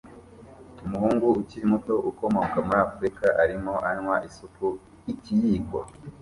Umuhungu ukiri muto ukomoka muri Afrika arimo anywa isupu ikiyiko